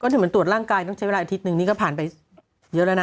ที่เหมือนตรวจร่างกายต้องใช้เวลาอาทิตย์นึงนี่ก็ผ่านไปเยอะแล้วนะ